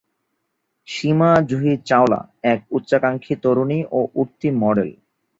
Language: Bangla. সীমা জুহি চাওলা, এক উচ্চাকাঙ্ক্ষী তরুণী ও উঠতি মডেল।